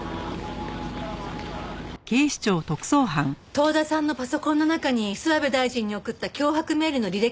遠田さんのパソコンの中に諏訪部大臣に送った脅迫メールの履歴があった。